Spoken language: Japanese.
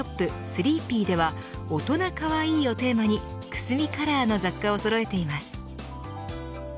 スリーピーでは大人かわいいをテーマにくすみカラーの雑貨をそろえています。